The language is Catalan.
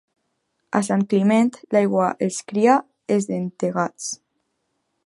A Sant Climent, l'aigua els cria esdentegats.